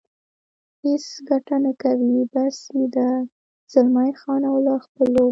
هېڅ ګټه نه کوي، بس یې ده، زلمی خان او له خپلو.